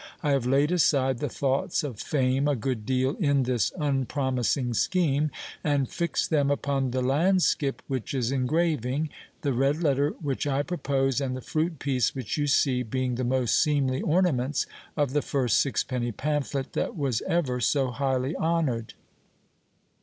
I have laid aside the thoughts of fame a good deal in this unpromising scheme; and fix them upon the landskip which is engraving, the red letter which I propose, and the fruit piece which you see, being the most seemly ornaments of the first sixpenny pamphlet that was ever so highly honoured.